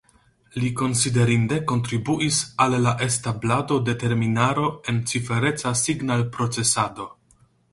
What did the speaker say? Li konsiderinde kontribuis al la establado de terminaro en cifereca signalprocesado.